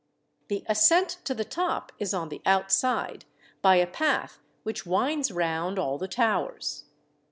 The ascent to the top is on the outside, by a path which winds round all the towers.